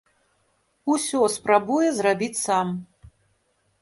Усё спрабуе зрабіць сам.